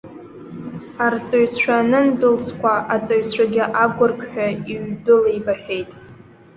Арҵаҩцәа анындәылҵқәа, аҵаҩцәагьы агәырқьҳәа иҩдәылеибаҳәеит.